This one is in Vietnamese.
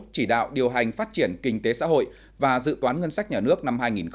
chỉ đạo điều hành phát triển kinh tế xã hội và dự toán ngân sách nhà nước năm hai nghìn hai mươi